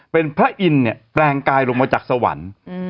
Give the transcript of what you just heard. เป็นพระอินทร์เนี่ยแปลงกายลงมาจากสวรรค์